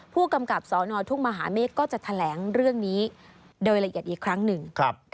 ผู้กำกับสนทุ่งมหาเมฆก็จะแถลงเรื่องนี้โดยละเอียดอีกครั้งหนึ่ง